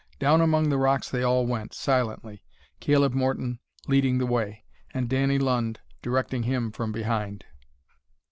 Down among the rocks they all went, silently, Caleb Morton leading the way, and Danny Lund directing him from behind.